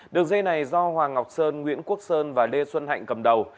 đường dây này do hoàng ngọc sơn nguyễn quốc sơn và lê xuân hạnh cầm đầu